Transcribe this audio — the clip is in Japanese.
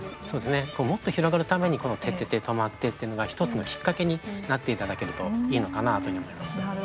もっと広がるためにこの「ててて！とまって！」というのが１つのきっかけになっていただけるといいのかなというふうに思います。